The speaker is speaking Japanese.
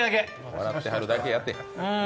笑ってはるだけやて。